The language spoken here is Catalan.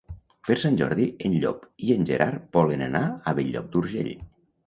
Per Sant Jordi en Llop i en Gerard volen anar a Bell-lloc d'Urgell.